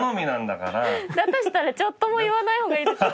だとしたらちょっとも言わない方がいいですよ。